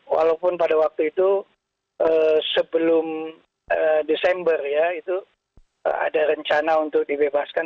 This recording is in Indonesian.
walaupun pada waktu itu sebelum desember ya itu ada rencana untuk dibebaskan